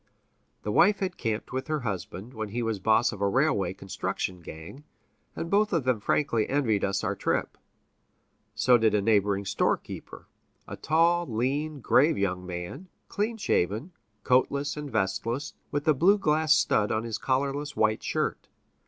The wife had camped with her husband, when he was boss of a railway construction gang, and both of them frankly envied us our trip. So did a neighboring storekeeper, a tall, lean, grave young man, clean shaven, coatless and vestless, with a blue glass stud on his collarless white shirt.